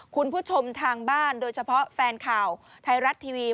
คุณผู้ชมทางบ้านโดยเฉพาะแฟนข่าวไทยรัฐทีวี